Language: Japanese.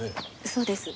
そうです。